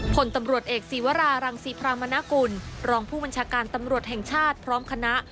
ผลตำรวจเอกศีวรารังศรีพรามณกุลรองผู้บัญชาการตำรวจแห่งชาติพร้อมคณะ